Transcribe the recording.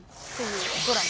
ドラマ。